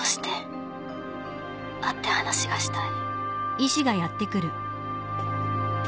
会って話がしたい。